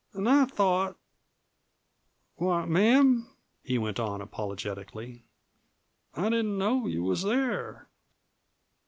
An' I thought Why, ma'am," he went on, apologetically, "I didn't know you was there!